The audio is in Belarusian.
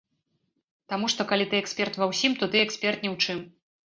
Таму што калі ты эксперт ва ўсім, то ты эксперт ні ў чым.